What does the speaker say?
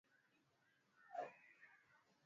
ambalo limeshuhudia zaidi ya wananchi asilimia sitini